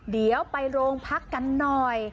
เดี๋ยวไปโรงพักกันหน่อย